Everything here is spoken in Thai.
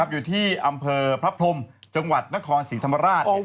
อยู่ที่อำเภอพรับพรงกนครศรีธรรมราช